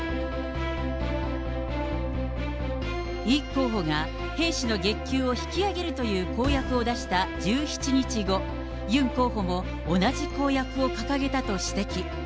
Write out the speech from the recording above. イ候補が、兵士の月給を引き上げるという公約を出した１７日後、ユン候補も同じ公約を掲げたと指摘。